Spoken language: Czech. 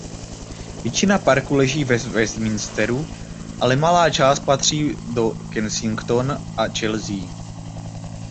Většina parku leží v Westminsteru ale malá část patří do Kensington a Chelsea.